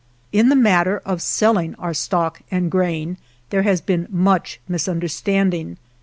In the matter of selling 3 our stock and grain there has been much misunderstand ing.